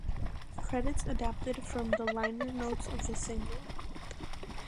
Credits adapted from the liner notes of the single.